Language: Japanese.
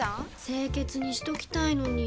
清潔にしときたいのに！